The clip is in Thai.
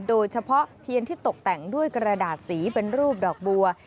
โดยเฉพาะเทียนที่ตกแต่งด้วยกระดาษสีเป็นรูปดอกบัว